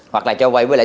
hoặc là cho vai với lại